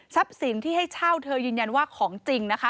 สินที่ให้เช่าเธอยืนยันว่าของจริงนะคะ